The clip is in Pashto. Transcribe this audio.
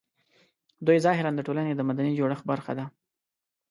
دوی ظاهراً د ټولنې د مدني جوړښت برخه ده